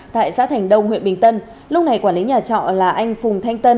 tại xã thành đông huyện bình tân lúc này quản lý nhà trọ là anh phùng thanh tân